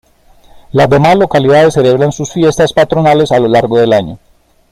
Las demás localidades celebran sus fiestas patronales a lo largo del año.